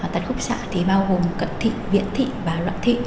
tật khúc xạ thì bao gồm cận thị viễn thị và loạn thị